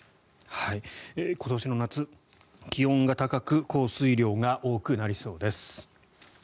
今年の夏、気温が高く降水量が多くなりそうです。